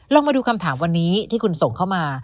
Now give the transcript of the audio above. ลองมาดูคำถามวันนี้ที่คุณส่งเข้ามา